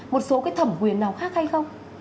một số cái thẩm quyền nào khác hay không